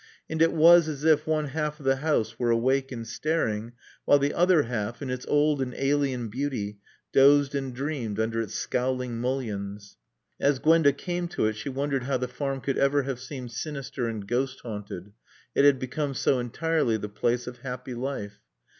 And it was as if one half of the house were awake and staring while the other half, in its old and alien beauty, dozed and dreamed under its scowling mullions. As Gwenda came to it she wondered how the Farm could ever have seemed sinister and ghost haunted; it had become so entirely the place of happy life.